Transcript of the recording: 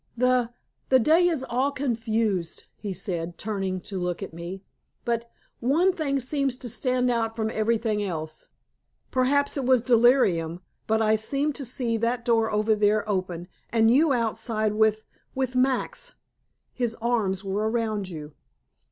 "The the day is all confused," he said, turning to look at me, "but one thing seems to stand out from everything else. Perhaps it was delirium, but I seemed to see that door over there open, and you, outside, with with Max. His arms were around you."